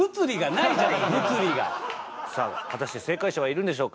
さあ果たして正解者はいるんでしょうか？